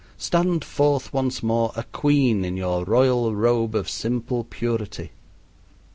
Stand forth once more a queen in your royal robe of simple purity.